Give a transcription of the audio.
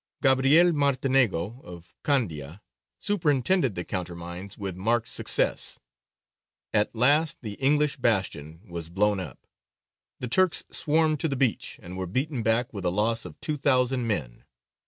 Gabriel Martinego of Candia superintended the countermines with marked success. At last the English bastion was blown up; the Turks swarmed to the breach, and were beaten back with a loss of two thousand men.